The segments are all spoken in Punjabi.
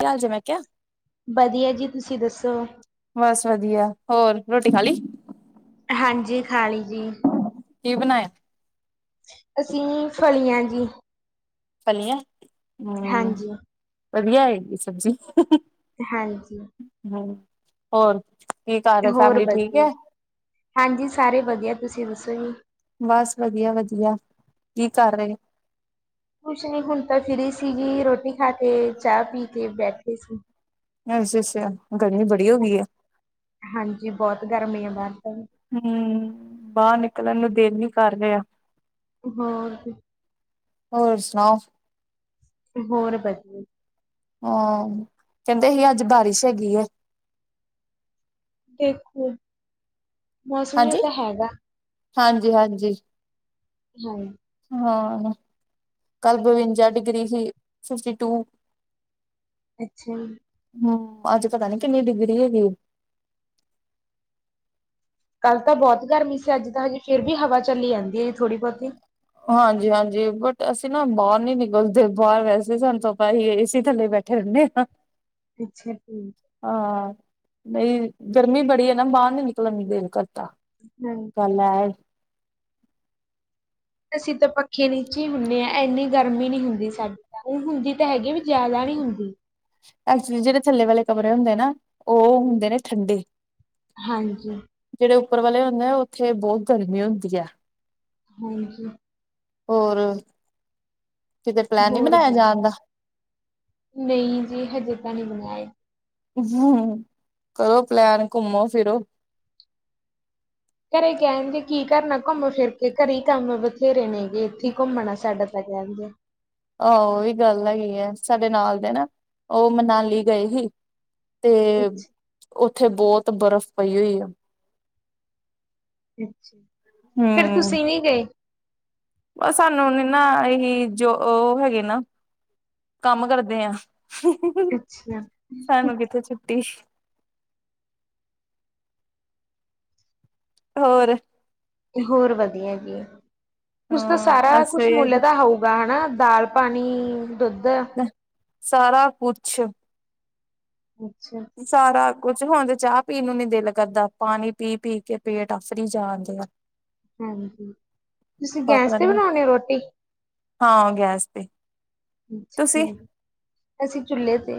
[unintelligible] ਜਿਮੇ ਕੇਯਾ ਬਦੀਆ ਜੀ ਤੁਸੀਂ ਦੱਸੋ। ਵਸ ਵਦੀਆ, ਹੋਰ ਰੋਟੀ ਖਾਲੀ? ਹੰਜੀ, ਖਾਲੀ ਜੀ। ਕੀ ਬਨਾਯਾ? ਅਸੀਂ ਫਲੀਆਂ ਜੀ। ਫਲੀਆ, ਹੁ ਹਾਂਜੀ ਵਦੀਆ ਹੈਗੀ ਸਬਜ਼ੀ [unintelligible] ਹਾਂਜੀ। ਹੋਰ ਕੀ ਰੇ, ਹੋਰ ਫੈਮਲੀ ਵਧੀਆ ਠੀਕੇ? ਹਾਂਜੀ, ਸਾਰੇ ਵਦੀਆ ਤੁਸੀਂ ਦੱਸੋ ਜੀ। ਬਸ ਵਦੀਆ-ਵਦੀਆ, ਕੀ ਕਰਰੇ? ਕੁਛ ਨੀ ਹੁਣ ਤਾਂ ਫਰੀ ਸੀਗੀ, ਰੋਟੀ ਖਾ ਕੇ ਚਾ ਪੀ ਕੇ ਬੈਠੇ ਸੀ। [unintelligible] ਗਰਮੀ ਬੜੀ ਹੋ ਗਈ ਹੈ ਹਾਂਜੀ, ਬੋਤ ਗਰਮੀ ਆ ਬਾਰ ਤਾਂ। ਹੂੰ, ਬਾਰ ਨਿਕਲਣ ਨੂੰ ਦੇਲ ਨੀ ਕਰ ਰਿਆ। ਹੋਰ ਕੀ। ਹੋਰ ਸੁਣਾਓ? ਹੋਰ ਵਧੀਆ। ਹਾਂ, ਕੈਂਦੇ ਹੀ ਅੱਜ ਬਾਰਿਸ਼ ਹੈਗੀ ਐ। 'ਦੇਖੋ ਮੌਸਮੀ ਜਿਆਂ ਹਾਂਜੀ ਤਾਂ ਹੈਗਾ। ਹਾਂਜੀ, ਹਾਂਜੀ। ਹਾਂਜ਼ ਹਾਂ। ਕੱਲ ਬਵੰਜਾ ਡਿਗਰੀ ਸੀ, ਫਿਫਟੀ ਟੂ। ਅੱਛਾ! ਹੂੰ, ਅੱਜ ਪਤਾ ਨੀ ਕਿੰਨੀ ਡਿਗਰੀ ਹੈਗੀ ਉ। ਕੱਲ੍ਹ ਤਾਂ ਬੋਹਤ ਗਰਮੀ ਸੀ, ਅੱਜ ਤਾਂ ਹਜੇ ਫਿਰ ਵੀ ਹਵਾ ਚੱਲੀ ਜਾਂਦੀ ਹੈ ਜੀ ਥੋੜ੍ਹੀ ਬਹੁਤੀ। ਹਾਂਜੀ, ਹਾਂਜੀ ਬਟ ਅਸੀਂ ਨਾ ਬਾਰ ਨੀ ਨਿਕਲਦੇ। ਬਾਰ ਵੈਸੇ ਸਾਨੂੰ ਪਤਾ ਹੀ ਏਸੀ ਥੱਲੇ ਬੈਠੇ- ਠੇ ਰੇਨੇ ਆਂ। ਅੱਛਾ ਜੀ। ਆਹ। ਨਈ, ਗਰਮੀ ਬੜੀ ਏ ਨਾ, ਬਾਰ ਨੀ ਨਿਕਲਣ ਨੂੰ ਦਿਲ ਕਰਦਾ। ਹਾਂ ਗੱਲ ਐ ਏ। ਅਸੀਂ ਤਾਂ ਪੱਖੇ ਨੀਚੇ ਹੁੰਨੇ ਆਂ, ਏਨੀ ਗਰਮੀ ਨੀ ਹੁੰਦੀ ਸਾਡੇ ਤਾਂ, ਓ ਹੁੰਦੀ ਤਾਂ ਹੈਗੀ ਵੀ, ਜਾਦਾ ਨੀ ਹੁੰਦੀ। ਐਕਚਲੀ ਜੇੜੇ ਥੱਲੇ ਵਲੇ ਕਮਰੇ ਹੁੰਦੇ ਨਾ, ਓ ਹੁੰਦੇ ਨੇ ਠੰਡੇ। ਹਾਂਜੀ। ਜੇੜੇ ਉੱਪਰ ਵਾਲੇ ਹੁੰਦੇ ਆ, ਓਥੇ ਬੋਤ ਗਰਮੀ ਹੁੰਦੀ ਆ। ਹਾਂਜੀ। ਹੋਰ, ਕਿਤੇ ਪਲੈਨ ਨੀ ਹੋਰ ਬਣਾਇਆ ਬ ਜਾਣ ਦਾ? ਨਹੀਂ ਜੀ, ਹਜੇ ਤਾਂ ਨੀ ਬਣਾਇਆ। ਅਹੂੰ, ਕਰੋ ਪਲੈਨ, ਘੁੰਮੋ ਫਿਰੋ। ਘਰੇ ਕਹਿਣਦੇ ਕੀ ਕਰਨਾ ਘੁੰਮ ਫਿਰ ਕੇ, ਘਰੇ ਈ ਕੰਮ ਬਥੇਰੇ ਨੇਗੇ, ਏਥੇ ਈ ਘੁੰਮਣਾ ਸਾਡਾ ਤਾਂ ਕਹਿਣਗੇ। ਆਹੋ ਓਈ ਗੱਲ ਹੈਗੀ ਐ। ਸਾਡੇ ਨਾਲ ਦੇ ਨਾ, ਓ ਮਨਾਲੀ ਗ‌ਏ ਹੀ। ਤੇ, ਅੱਛਾ ਓਥੇ ਬੋਤ ਬਰਫ਼ ਪਈ ਓਈ ਆ। ਅੱਛਾ! ਫੇਰ ਤੁਸੀਂ ਨੀ ਗਏ? ਆ ਸਾਨੂੰ ਨੀ ਨਾ ਅਹੀ ਜੋ ਓ ਹੈਗੇ ਨਾ, ਕੰਮ ਕਰਦੇ ਆਂ। ਹੂੰ, ਹੂ, ਹੂ ਅੱਛਾ -ਸਾਨੂੰ ਕਿੱਥੇ ਛੁੱਟੀ? ਹੋਰ! ਹੋਰ ਵਧੀਆ ਹੈਗੇ। ਤੁਸੀਂ ਤਾਂ ਹਾਂ ਅ ਸਾਰਾ ਕੁਛ ਮੁੱਲ ਸਵੇਰ ਦਾ ਹੋਊਗਾ ਹਨਾ। ਦਾਲ, ਪਾਣੀ, ਦੁੱਧ। ਸਾਰਾ ਕੁਛ। ਅੱਛਾ। ਸਾਰਾ ਕੁਛ, ਹੁਣ ਤੇ ਚਾਅ ਪੀ ਨੂੰ ਨੀ ਦਿਲ ਕਰਦਾ, ਪਾਣੀ ਪੀ -ਪੀ ਕੇ ਪੇਟ ਆਫਰੀ ਜਾਣ ਦਿਆ। ਹਾਂਜੀ, ਤੁਸੀਂ ਗੈਂਸ ਪਾਪਾ ਤੇ ਨੇ ਬਣਾਉਣੇ ਓ ਰੋਟੀ? ਹਾਂ, ਗੇਸ ਤੇ। ਅੱਛਾ ਤੁਸੀਂ ਠੀਕ, ਅਸੀਂ ਚੁਲੇ ਤੇ।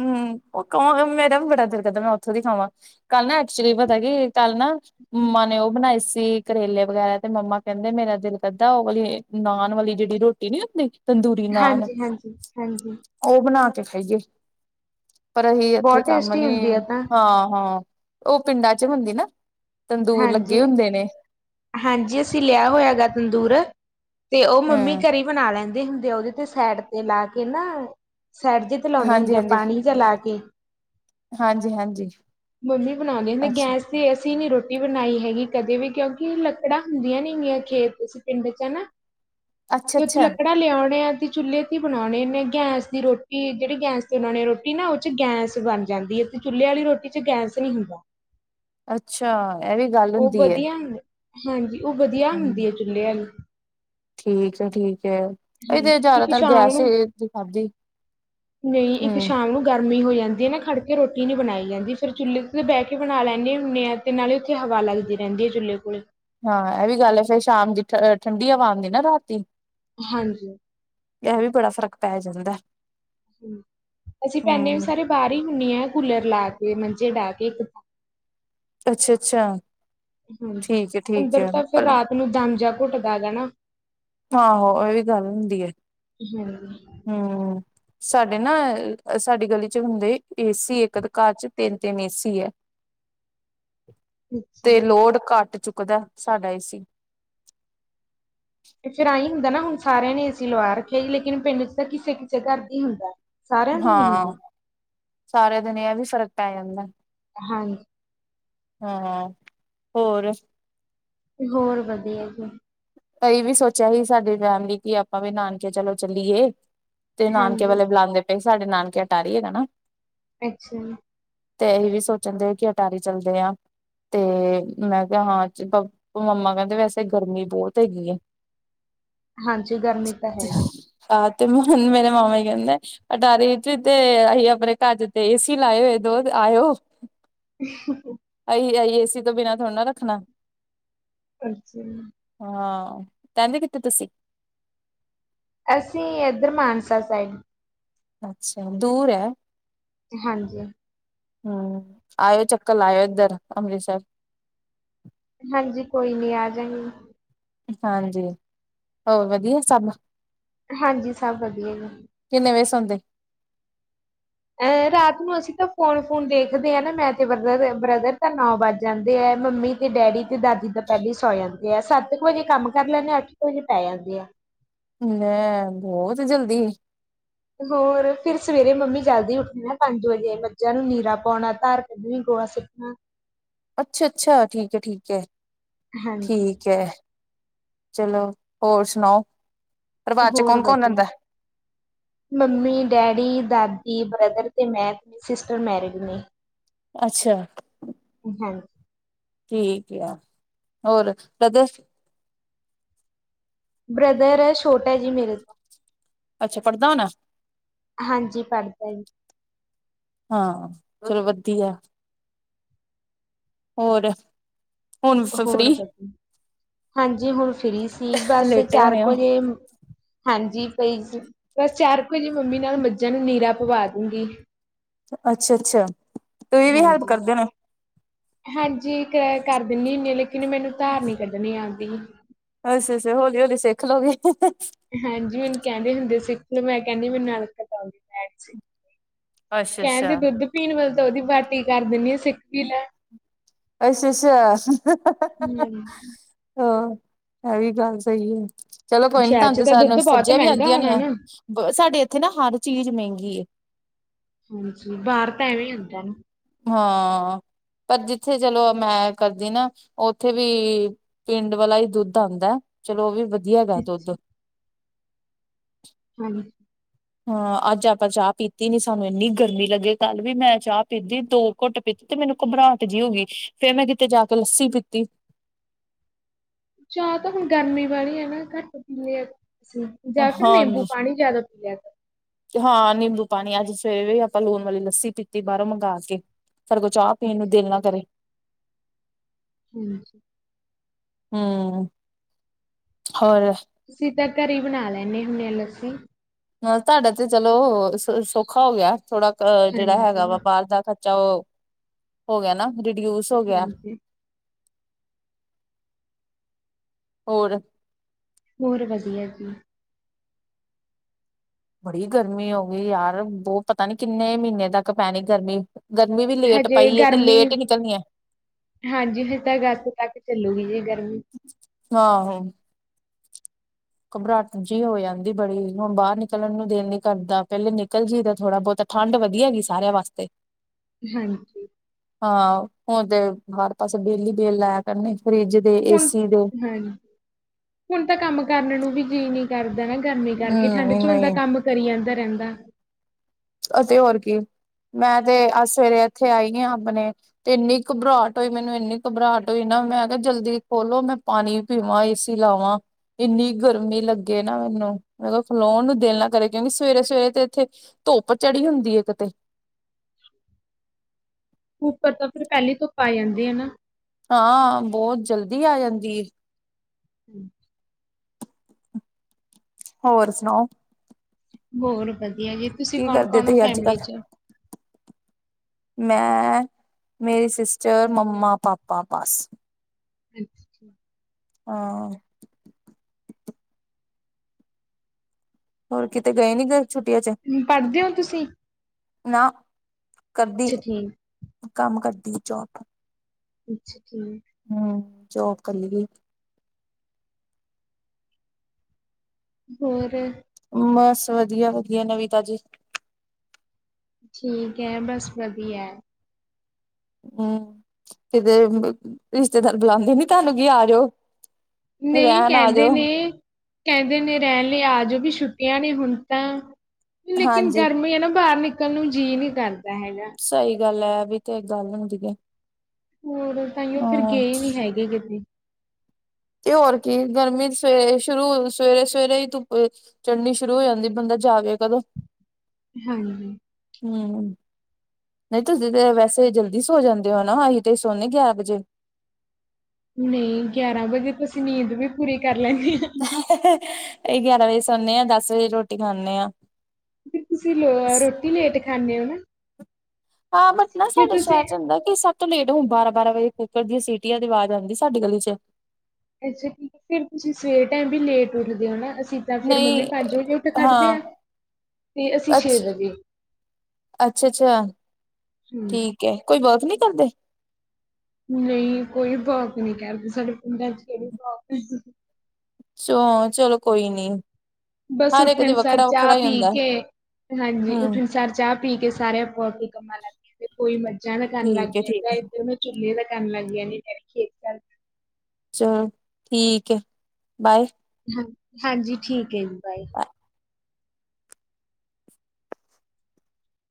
ਹੂੰ ਓ ਕੋਣ ਮੇਰਾ ਵੀ ਬੜਾ ਦਿਲ ਕਰਦਾ ਮੈਂ ਓਥੋਂ ਦੀ ਖਾਵਾਂ। ਕੱਲ ਨਾ ਐਕਚੁਲੀ ਪਤਾ ਕੀ ਕੱਲ ਨਾ, ਮੰਮਾ ਨੇ ਓ ਬਣਾਏ ਸੀ। ਕਰੇਲੇ ਵਗੈਰਾ ਤੇ ਮੰਮਾ ਕੈਂਦੇ ਮੇਰਾ ਦਿਲ ਕਰਦਾ, ਓ ਵਾਲੀ ਨਾਨ ਵਾਲੀ ਜੇੜੀ ਰੋਟੀ ਨੀ ਹੁੰਦੀ। ਤੰਦੂਰੀ ਨਾਨ, ਹਾਂਜੀ, ਹਾਂਜੀ, ਹਾਂਜੀ ਓ ਬਣਾ ਕੇ ਖਾਈਏ। ਪਰ ਅਹੀਂ ਏਥੇ ਬਹੁਤ ਕੰਮ ਟੇਸਟੀ ਨੀ, ਹੁੰਦੀ ਆ ਤਾਂ ਹਾਂ -ਹਾਂ ਓ ਪਿੰਡਾਂ 'ਚ ਹੁੰਦੀ ਨਾ। ਤੰਦੂਰ ਲੱਗੇ ਹਾਂਜੀ। ਹੁੰਦੇ ਨੇ। ਹਾਂਜੀ, ਅਸੀਂ ਲਿਆ ਹੋਇਆ ਗਾ ਤੰਦੂਰ ਤੇ, ਉਹ ਮੰਮੀ ਹੂੰ ਘਰੀ ਬਣਾ ਲੈਂਦੇ ਹੁੰਦੇ ਆ, ਉਹਦੇ ਤੇ ਸੈਡ ਤੇ ਲਾ ਕੇ ਨਾ, ਸੈਡ ਜਂ ਤੇ ਲਾਉਂਦੇ ਹੁੰਦੇ ਆ ਹਾਂਜੀ-ਹਾਂਜੀ, ਪਾਣੀ ਜਾ ਲਾ ਕੇ। ਹਾਂਜੀ-ਹਾਂਜੀ ਮੰਮੀ ਬਣਾਉਂਦੇ ਹੁੰਦੇ ਅੱਛਾ, ਗੈਸ ਤੇ ਅਸੀਂ ਨੀ ਰੋਟੀ ਬਣਾਈ ਹੈਗੀ ਕਦੇ ਵੀ, ਕਿਉ ਕਿ ਲੱਕੜਾਂ ਹੁੰਦੀਆਂ ਨੇ ਗੀਆਂ ਖੇਤ ਚ ਪਿੰਡ ਚ ਹਨਾ। ਤੇ ਉੱਥੇ ਅੱਛਾ-ਅੱਛਾ, ਅੱਛਾ ਲੱਕੜਾ ਲੇ ਆਉਣੇ ਆ, ਤੇ ਚੁੱਲ੍ਹੇ ਬਣਾਉਣੇ ਹੁਨੇ ਆ, ਗੈਸ ਦੀ ਰੋਟੀ ਜਿਹੜੀ ਗੈਸ ਤੇ ਬਣਾਉਣੇ ਰੋਟੀ ਨਾ ਉਹ ਚ ਗੈਸ ਬਣ ਜਾਂਦੀ ਐ। ਚੁੱਲ੍ਹੇ ਆਲੀ ਰੋਟੀ 'ਚ ਗੈਸ ਨੀ ਹੁੰਦਾ। ਅੱਛਾ, ਇਹ ਵੀ ਗੱਲ ਉਹ ਹੁੰਦੀ ਐ। ਵਧੀਆ ਹੁੰਦੀ ਹਾਂਜੀ, ਉਹ ਵਧੀਆ ਹੁੰਦੀ ਐ ਚੂਲੇ ਆਂਲੀ। ਠੀਕ ਐ ਠੀਕ ਐ, ਇਹ ਤੇ ਇੱਕ ਜ਼ਿਆਦਾਤਰ ਸ਼ਾਮ ਗੈਸ ਨੂੰ ਦੇ ਖਾਧੀ ਨਹੀਂ ਹੂੰ ਇੱਕ ਸ਼ ਗਰਮੀ ਹੋ ਜਾਂਦੀ ਆ, ਨਾ ਖੜ੍ਹ ਕੇ ਰੋਟੀ ਨੀ ਬਣਾਈ ਜਾਂਦੀ, ਫਿਰ ਚੁੱਲ੍ਹੇ 'ਤੇ ਤਾਂ ਬਹਿ ਕੇ ਬਣਾ ਲੈਂਨੇ ਹੁੰਨੇ ਆ। ਤੇ ਨਾਲ ਹੀ ਉੱਥੇ ਹਵਾ ਲੱਗਦੀ ਰਹਿੰਦੀ ਆ, ਚੁੱਲੇ ਤੇ। ਹਾਂ ਇਹ ਵੀ ਗੱਲ ਐ, ਫੇਰ ਸ਼ਾਮ ਦੀ ਠ ਠੰਡੀ ਹਵਾ ਆਦੀ ਹਾਨਾ ਰਾਤੀ। ਹਾਂਜੀ। ਇਹ ਵੀ ਬੜਾ ਫ਼ਰਕ ਪੈ ਜਾਂਦਾ ਐ। ਹੂੰ, ਅਸੀਂ ਪੈਂਨੇ ਵੀ ਸਾਰੇ ਬਾਹਰ ਹੀ ਹੁੰਨੇ ਆ, ਕੂਲਰ ਲਾ ਕੇ ਮੰਜੇ ਡਾ ਕੇ ਇੱਕ ਅੱਛਾ ਅੱਛਾ ਹੂੰ, ਠੀਕ ਹੈ ਠੀਕ ਅੰਦਰ ਹੈ ਤਾਂ ਫਿਰ ਰਾਤ ਨੂੰ ਦਮ ਜਾ ਘੱਟ ਦਾ ਗਨਾ। ਹਾਂ ਹਾਂ ਇਹ ਵੀ ਗੱਲ ਹੁੰਦੀ ਐ। ਹੂੰ। ਹੂੰ। ਸਾਡੇ ਨਾ ਸਾਡੀ ਗਲੀ 'ਚ ਹੁੰਦੇ, ਏਸੀ ਇੱਕ ਦੇ ਘਰ 'ਚ ਤਿੰਨ ਤਿੰਨ ਏਸੀ ਐ। ਤੇ ਅੱਛਾ ਲੋਡ ਘੱਟ ਚੁੱਕਦਾ ਸਾਡਾ ਏ ਸੀ। ਤੇ ਫੇਰ ਐਈ ਹੁੰਦਾ ਨਾ, ਹੁਣ ਸਾਰਿਆਂ ਨੇ ਏ ਸੀ ਲਵਾ ਰੱਖਿਆ ਜੀ, ਲੇਕਿਨ ਪਿੰਡ 'ਚ ਤਾਂ ਕਿਸੇ ਕਿਸੇ ਘਰ ਦਾ ਹੀ ਹੁੰਦਾ। ਸਾਰਿਆਂ ਦੇ ਨੀ ਹੁੰਦੇ ਹਾਂ, ਸਾਰੇ ਦਿਨ ਇਹ ਵੀ ਫ਼ਰਕ ਪੈ ਜਾਂਦਾ। ਹਾਂਜੀ। ਹਾਂ, ਹੋਰ? ਹੋਰ ਵਧੀਆ ਜੀ। ਅਹੀ ਹ ਵੀ ਸੋਚਿਆ ਹੀ, ਸਾਡੀ ਫੈਮਿਲੀ ਕਿ ਆਪਾਂ ਵੀ ਨਾਨਕੇ ਚਲੋਂ ਚੱਲੀਏ। ਤੇ ਨਾਨਕੇ ਹਾਂਜੀ ਵਾਲੇ ਬੁਲਾਉਂਦੇ ਪਏ ਸੀ, ਸਾਡੇ ਨਾਨਕੇ ਅਟਾਰੀ ਹੈਗਾ ਨਾ। ਅੱਛਾ। ਤੇ ਇਹ ਵੀ ਸੋਚਣ ਡੇਆ ਕਿ ਅਟਾਰੀ ਚੱਲਦੇ ਆ। ਤੇ ਮੈਂ ਕਿਹਾ ਹਾਂ, ਚ ਮੰਮਾ ਕਹਿੰਦੇ ਵੈਸੇ ਗਰਮੀ ਬਹੁਤਂ ਹੈਗੀ ਐਂ। ਹਾਂਜੀ ਗਰਮੀ ਤਾਂ ਹੈ ਈ। ਹਾਂ ਤੇ ਹੁਣ ਮੇਰੇ ਮਾਮਾ ਜ ਕਹਿੰਦਾ ਅਟਾਰੀ ਵਿੱਚ ਤੇ, ਆਹੀਂ ਆਪਣੇ ਘਰ 'ਚ ਤੇ ਏਸੀ ਲਾਏ ਓਏ ਦੋ ਆਇਓ। [unintelligible] ਆਹੀਂ ਅਹੀ ਏਸੀ ਤੋਂ ਬਿਨਾ ਥੋੜਾ ਨਾ ਰੱਖਣਾ। ਅੱਛਾ। ਹਾਂ, [unintelligible] ਕਿੱਥੇ ਤੁਸੀਂ? ਅਸੀਂ ਏਧਰ ਮਾਨਸਾ ਸਾਹਿਬ। ਅੱਛਾ, ਦੂਰ ਐ। ਹਾਂਜੀ। ਹੂੰ, ਆਇਓ ਚੱਕਰ ਲਾਇਓ, ਏਧਰ ਅੰਮ੍ਰਿਤਸਰ। ਹਾਂਜੀ, ਕੋਈ ਨੀ ਆਜਾਗੀਂ। ਹਾਂਜੀ, ਹੋਰ ਵਧੀਆ ਸਭ। ਹਾਂਜੀ ਸਭ ਵਧੀਆ ਜੀ। ਕਿੰਨੇ ਵਜੇ ਸੋਂਦੇ? ਐਂ ਰਾਤ ਨੂੰ ਅਸੀਂ ਤਾਂ ਫੋਨ ਫੁਨ ਦੇਖਦੇ ਆਂ ਨਾ ਮੈਂ ਤੇ ਬ੍ਰਦਰ ਬ੍ਰਦਰ ਤਾਂ ਨੌ ਵੱਜ ਜਾਂਦੇ ਐ। ਮੰਮੀ ਡੈਡੀ ਤੇ ਦਾਦੀ ਤਾਂ ਪੈਲੇ ਈ ਸੌ ਜਾਂਦੇ ਆ, ਸੱਤ ਕੁ ਵਜੇ ਕੰਮ ਕਰ ਲੈਂਦੇ ਆ, ਅੱਠ ਕੁ ਵਜੇ ਪੈ ਜਾਂਦੇ ਆ। ਲੈ ਬੋਤ ਜਲਦੀ। ਹੋਰ ਫੇਰ ਸਵੇਰੇ ਮੰਮੀ ਜਲਦੀ ਉੱਠਣਾ ਪੰਜ ਵਜੇ ਬੱਚਿਆਂ ਨੂੰ ਨੀਰਾ ਪਾਉਣਾ ਧਰ ਗੋਵਾ ਸੁਟਨਾ। ਅੱਛਾ-ਅੱਛਾ, ਠੀਕ ਏ, ਠੀਕ ਏ, ਹਾਂਜੀ ਠੀਕ ਏ। ਚਲੋ ਹੋਰ ਸੁਣਾਓ, ਪਰਿਵਾਰ ਚ ਹੋਰ ਕੌਣ ਕੌਣ ਵਧੀਆ ਰੈਂਦੈ। ਮੰਮੀ, ਡੈਡੀ, ਦਾਦੀ, ਬ੍ਰਦਰ ਤੇ ਮੈਂ ਪਨੀ ਸਿਸਟਰ ਮੈਰਿਡ ਨੇ। ਅੱਛਾ। ਹਾਂ ਠੀਕ ਆ। ਹੋਰ ਬ੍ਰਦਰ ਬ੍ਰਦਰ ਛੋਟਾ ਜੀ ਮੇਰੇ ਅੱਛਾ ਪੜ੍ਹਦਾ ਹੋਨਾ। ਹਾਂਜੀ ਪੜ੍ਹਦਾ ਜੀ। ਹਾਂ ਚਲੋ ਵਧੀਆ। ਹੋਰ ਹੁਣ ਹੋਰ ਫਰੀ ਵਧ, ਹਾਂਜੀ ਹੁਣ ਫ੍ਰੀ ਸੀ ਬਸ ਲੇਟੇ ਚਾਰ ਹੋਣੇ ਕੁ ਓ। ਵਜੇ ਹਾਂਜੀ ਪਈ ਸੀ, ਬਸ ਚਾਰ ਕੁ ਵਜੇ ਮੰਮੀ ਨਾਲ ਮੱਝਾਂ ਨੂੰ ਨੀਰਾ ਪਵਾ ਦੂੰਗੀ। ਅੱਛਾ-ਅੱਛਾ ਤੂਹੀ ਵੀ ਹੈਲਪ ਹਾਂਜੀ। ਕਰਦੇ ਹੋਨੇ। ਹਾਂਜੀ ਕ ਕਰ ਦਿੰਦੀ ਹੁੰਦੀ ਆ, ਲੇਕਿਨ ਮੈਨੂੰ ਧਾਰ ਨਹੀਂ ਕੱਢਣੀ ਆਉਂਦੀ। ਅੱਛਾ-ਅੱਛਾ ਹੌਲੀ-ਹੌਲੀ ਸੇਖ ਲੋਗੇ। ਹਾਂਜੀ ਮੈਨੂੰ ਕੈਂਦੇ ਹੁੰਦੇ ਸੀ, ਮੈਂ ਕੈਂਦੀ ਮੈਨੂੰ ਅਲਖਤ ਆਂਦੀ ਬੈਠੀ ਸੀ। ਅੱਛਾ ਕੈਂਦੇ ਅੱਛਾ। ਦੁੱਧ ਪੀਣ ਵੇਲੇ ਤਾਂ ਉਦੀ ਬਾਟੀ ਕਰ ਦਿੰਦੀ ਆ ਸੇਖ ਵੀ ਲੈ। ਅੱਛਾ-ਅੱਛਾ। ਹੂੰ। ਹਾਂ ਐ ਵੀ ਗੱਲ ਸਹੀ ਏ। ਚਲੋ ਕੋਈ ਨੀ ਸ਼ਹਿਰ ਚ ਤਾਂ ਦੁੱਧ ਤਾਨੂੰ ਬਹੁਤ ਸਬਜ਼ੀਆਂ ਵੀ ਮਹਿੰਗਾ ਆਂਦੀਆਂ ਹੋਣਾ ਹੋਨੀਆ, ਨਾ। ਸਾਡੇ ਏਥੇ ਨਾ ਹਰ ਚੀਜ਼ ਮੈਂਗੀ ਏ। ਹਾਂਜੀ ਬਾਰ ਤਾਂ ਐਵੇਂ ਹੂੰਦੈ ਨਾ। ਹਾਂ ਪਰ ਜੀ ਜਿੱਥੇ ਚਲੋ ਮੈਂ ਕਰਦੀ ਨਾ ਉੱਥੇ ਵੀ ਪਿੰਡ ਵਾਲਾ ਹੀ ਦੁੱਧ ਆਂਦੈ। ਚਲੋ ੳ ਵੀ ਵਧੀਆ ਹੈਗਾ ਦੁੱਧ। ਅੱਛਾ ਹਾਂਜੀ ਹਾਂ ਅੱਜ ਆਪਾਂ ਚਾ ਪੀਤੀ ਨੀ, ਸਾਨੂੰ ਇੰਨੀ ਗਰਮੀ ਲੱਗੇ ਕੱਲ ਵੀ ਮੈਂ ਚਾ ਪੀਤੀ ਦੋ ਕੁੱਟ ਪੀਤੀ ਤੇ ਮੈਨੂੰ ਘਬਰਾਹਟ ਜਿ ਹੋ ਗੀ, ਫੇਰ ਮੈਂ ਕਿਤੇ ਜਾ ਕੇ ਲੱਸੀ ਪੀਤੀ। ਚਾ ਤਾਂ ਹੁਣ ਗਰਮੀ ਵਾਲੀ ਏ ਨਾ, ਘੱਟ ਪੀਨੇ ਆ ਅਸੀਂ। ਜਾਂ ਫਿਰ ਨਿੰਬੂ ਹਾਂਜੀ ਪਾਣੀ ਜਿਆਦਾ ਪੀਆ ਕਰੋ। ਹਾਂ ਨਿੰਬੂ ਪਾਣੀ, ਅੱਜ ਸਵੇਰੇ ਆਪਾਂ ਲੂਣ ਵਾਲੀ ਲੱਸੀ ਪੀਤੀ ਬਾਰੋਂ ਮੰਗਵਾ ਕੇ। ਸਾਡੇ ਕੋਲ ਚਾ ਪੀਣ ਨੂੰ ਅੱਛਾ। ਦਿਲ ਨਾ ਕਰੇ। ਹੂੰ। ਹੂੰ, ਹੋਰ? ਅਸੀ ਤਾਂ, ਘਰ ਹੀ ਬਣਾ ਲੈਂਦੇ ਹੁੰਦੇ ਹ ਲੱਸੀ। ਨਾਲ ਤੁਹਾਡਾ ਤੇ ਚਲੋ, ਸੌਖਾ ਹੋ ਗਿਆ ਥੋੜਾ ਅ, ਜਿਹੜਾ ਹੈਗਾ ਹਾਂਜੀ ਵਾ ਬਾਹਰ ਦਾ 'ਚਾ ਉਹ ਹੋ ਗਿਆ ਨਾ, ਰਿਡਿਊਸ ਹੋ ਗਿਆ। ਹਾਂਜੀ ਹੋਰ? ਹੋਰ ਵਧੀਆ ਜੀ। ਬੜੀ ਗਰਮੀ ਹੋ ਗਈ ਯਾਰ, ਬਹੁ ਪਤਾ ਨੀ ਕਿੰਨੇ ਮਹੀਨੇ ਤੱਕ ਪੈਣੀ ਗਰਮੀ। ਗਰਮੀ ਵੀ ਲੇਟ ਹਜੇ ਪਈ ਹੈ, ਤੇ ਗਰਮੀ ਲੇਟ ਹੀ ਨਿਕਲਣੀ ਹੈ। ਹਾਂਜੀ, ਹੇ ਤਾਂ ਅਗਸਤ ਤੱਕ ਚੱਲੂਗੀ ਜੀ ਗਰਮੀ। ਹਾਂ, ਹਾਂ। ਘਬਰਾਹਟ ਜੀ ਹੋ ਜਾਂਦੀ ਬੜੀ, ਹੁਣ ਬਾਹਰ ਨਿਕਲਣ ਨੂੰ ਦਿਲ ਨੀ ਕਰਦਾ, ਪਹਿਲੇ ਨਿਕਲ ਜਿਦਾ ਥੋੜਾ ਬਹੁਤਾ ਠੰਡ ਵਧੀਆ ਹੈਗੀ, ਸਾਰਿਆਂ ਵਾਸਤੇ। ਹਾਂਜੀ। ਹਾਂ, ਹੁਣ ਤੇ, ਹਰ ਪਾਸੇ ਬਿਲ ਈ ਬਿੱਲ ਆਇਆ ਕਰਨੇ, ਫਰਿਜ ਹੁਣ, ਹਾਂਜੀ, ਹੁਣ ਤਾਂ ਕੰਮ ਕਰਨ ਨੂੰ ਵੀ ਜੀ ਨਹੀਂ ਕਰਦਾ ਨਾ ਗਰਮੀ ਕਰਕੇ, ਠੰਡ ਹਮ 'ਚ ਨਹੀਂ ਬੰਦਾ ਕੰਮ ਕਰੀ ਜਾਂਦਾ ਰਹਿੰਦਾ। ਅਤੇ ਹੋਰ ਕੀ, ਮੈਂ ਤੇ 'ਅ ਸਵੇਰੇ ਇੱਥੇ ਆਈ ਹਾਂ ਆਪਣੇ ਤੇ ਇੰਨੀ ਘਬਰਾਹਟ ਹੋਈ ਮੈਨੂੰ, ਇੰਨੀ ਘਬਰਾਹਟ ਹੋਈ ਨਾ, ਮੈਂ ਕਿਹਾ ਜਲਦੀ ਖੋਲੋ, ਮੈਂ ਪਾਣੀ ਪੀਵਾਂ, ਏਸੀ ਲਾਵਾਂ, ਇੰਨੀ ਗਰਮੀ ਲੱਗੇ ਨਾ ਮੈਨੂੰ ਮੈਂ ਕਿਹਾ ਖਲੋਣ ਨੂੰ ਦਿਲ ਨਾ ਕਰੇ, ਕਿਉਂਕਿ ਸਵੇਰੇ-ਸਵੇਰੇ ਤੇ ਇੱਥੇ, ਧੁਪ ਚੜੀ ਹੁੰਦੀ ਹੈ ਇੱਕ ਤੇ। ਉਪਰ ਤਾਂ ਫਿਰ, ਪਹਿਲੀ ਧੁੱਪ ਆ ਜਾਂਦੀ ਆ ਨਾ। ਹਾਂ, ਬਹੁਤ ਜਲਦੀ ਆ ਜਾਂਦੀ ਹੈ। ਹਮ। ਹੋਰ ਸੁਣਾਓ? ਹੋਰ ਵਧੀਆ ਜੀ, ਤੁਸੀਂ ਕੀ ਕਰਦੇ ਕੌਣ-ਕੌਣ ਹੋ ਤੁਸੀਂ ਅੱਜ ਫੈਮਿਲੀ ਕੱਲ 'ਚ? [unintelligible] ਮੈਂ, ਮੇਰੀ ਸਿਸਟਰ, ਮੰਮਾ-ਪਾਪਾ, ਬਸ। ਅੱਛਾ। ਹਾਂ। ਹੋਰ ਕਿਤੇ ਗਏ ਨੀ, ਛੁੱਟੀਆਂ 'ਚ? ਪੜ੍ਹਦੇ ਹੋ ਤੁਸੀਂ? ਨਾ, ਕਰਦੀ, ਅੱਛਾ ਠੀਕ, ਕੰਮ ਕਰਦੀ ਜੋਬ। ਅੱਛਾ ਜੀ। ਹਮ, ਜੋਬ ਕਰ ਕਰੀ ਦੀ। ਹੋਰ? ਬਸ ਵਧੀਆ-ਵਧੀਆ, ਨਵੀ ਤਾਜੀ? ਠੀਕ ਹੈ, ਬਸ ਵਧੀਆ। ਹਮ, ਕਿਤੇ, ਰਿਸ਼ਤੇਦਾਰ ਬੁਲਾਉਂਦੇ ਨੀ ਤੁਹਾਨੂੰ ਕੀ ਆਜੋ? ਨਹੀਂ ਕਹਿੰਦੇ ਨੇ, ਕਹਿੰਦੇ ਨੇ ਰਹਿਣ ਲਈ ਆ ਜੋਓ, ਵੀ ਛੁੱਟੀਆਂ ਨੇ ਹੁਣ ਤਾਂ ਲੇਕਿਨ ਹਾਂਜੀ ਗਰਮੀ ਹੈ ਨਾ, ਬਾਹਰ ਨਿਕਲ ਨੂੰ ਜੀਅ ਨਹੀਂ ਕਰਦਾ ਹੈਗਾ। ਸਹੀ ਗੱਲ ਹੈ ਵੀ। ਇਹੀ ਤੇ, ਗੱਲ ਹੁੰਦੀ ਹੈ। ਹੋਰ, ਤਾਂ ਉਹ ਫਰ ਹਾਂ ਗਏ ਨਹੀਂ ਹੈਗੇ ਕਿਤੇ। ਤੇ ਹੋਰ ਕੀ, ਗਰਮੀ ਸਵੇਰੇ ਸ਼ੁਰੂ, ਸਵੇਰੇ-ਸਵੇਰੇ ਹੀ ਧੁੱਪ ਚੜ੍ਹਨੀ ਸ਼ੁਰੂ ਹੋ ਜਾਂਦੀ ਬੰਦਾ ਜਾਵੇ ਕਦੋਂ। ਹੂ। ਹੂ। ਨਹੀਂ ਤੁਸੀਂ ਤਾਂ ਵੈਸੇ ਜਲਦੀ ਸੋ ਜਾਂਦੇ ਹੋ ਨਾ ਅਸੀਂ ਤੇ ਸੋਨੇ ਗਿਆ ਵੱਜੇ। ਨਹੀਂ ਗਿਆਰਾਂ ਵਜੇ ਤੁਸੀ ਅਸੀਂ ਨੀਂਦ ਵੀ ਪੂਰੀ ਕਰ ਲੈਂਦੇ ਆ। ਏਹ ਏਹ -ਗਿਆਰਾਂ ਵੱਜੇ ਸੌਣੇ ਆਂ ਦੱਸ ਵਜੇ ਰੋਟੀ ਖਾਂਣੇ ਹਾਂ। ਤੁਸੀਂ ਰੋਟੀ ਲੇਟ ਖਾਂਦੇ ਹੋ ਨਾ। ਹਾਂ ਬਟ ਨਾ ਫਿਰ ਸਾਡੇ ਤੁਸੀਂ ਸ਼ਹਿਰ ਚ ਹੁੰਦਾ ਕਿ ਸਤ ਤੋਂ ਲੇਟ ਹੁਣ ਬਾਰਾਂ -ਬਾਰਾਂ ਵਜੇ ਕੁੱਕਰ ਦੀਆਂ ਸੀਟੀਆਂ ਦੀ ਆਵਾਜ਼ ਆਂਦੀ ਸਾਡੀ ਗਲੀ ਚ। ਅੱਛਾ। ਠੀਕ ਫੇਰ ਤੁਸੀਂ ਸਵੇਰ ਟਾਈਮ ਵੀ ਲੇਟ ਉੱਠਦੇ ਹੋ ਨਾ ਅਸੀਂ ਤਾਂ ਫਿਰ ਮੰਮੀ ਨਹੀਂ ਪੰਜ ਵਜੇ ਉੱਠਣਾ ਲਗਦੇ ਹਾਂ ਆ ਤੇ ਅਸੀਂ ਛੇ ਅੱਛ ਵੱਜੇ। ਅੱਛਾ- ਅੱਛਾ ਹੂੰ ਠੀਕ ਹੈ ਕੋਈ ਵਰਕ ਨਹੀਂ ਕਰਦੇ? ਨਹੀਂ ਕੋਈ ਵੋਕ ਨੀ ਕਰਦੇ ਸਾਡੇ ਪਿੰਡਾਂ ਚ ਕਿਹੜੀ ਬਕ ਸੋ ਚਲੋ ਕੋਈ ਨੀ। ਬਸ ਹਰ ਇੱਕ ਦੇ ਉੱਠਣ ਸਰ ਵੱਖਰਾ ਚਾਹ ਵੱਖਰਾ ਹੀ ਪੀ ਹੁੰਦਾ ਕੇ ਹਾਂਜੀ ਹਮ ਉੱਠਣ ਸਾਰ ਚਾਅ ਪੀ ਕੇ ਸਾਰੇ ਆਪੋ ਆਪਣੇ ਕੰਮਾਂ ਲਾ ਤੇ ਕੋਈ ਮੱਝਾਂ ਦਾ ਕਰਨ ਲੱਗ ਠੀਕ ਹੈ ਠੀਕ ਗਈਆਂ ਹੈ ਇੱਧਰ ਮ ਝੁੱਲੇ ਦਾ ਕਰਨ ਲੱਗ ਗੀਆਂ ਖੇਤ ਚ ਚਲੋ ਠੀਕ ਏ ਬਾਏ ਹਾਂ ਹਾਂਜੀ ਠੀਕ ਹੈ ਜੀ ਬਾਏ